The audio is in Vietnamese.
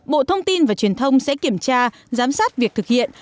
bộ thông tin và truyền thông sẽ kiểm tra giám sát việc thực hiện